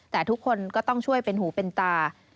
แต่ทุกคนก็ต้องช่วยเป็นหูเป็นตา